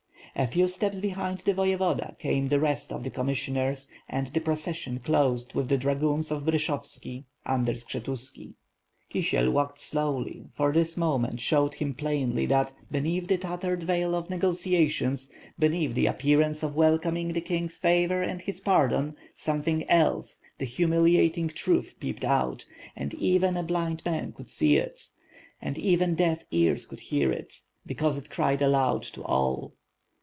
0 few steps behind the voyevoda came the rest of the commissioners and the procession closed with the dragoons of Bryshovski under Skshetuski. Kiesiel walked slowly, for this moment showed him plainly that, beneath the tattered veil of negotiations; beneath the appearance of welcoming the king's favor and his pardon; something else, the humiliating truth peeped out, and even a blind man could see it; and even deaf ears could hear it; because it cried aloud to all.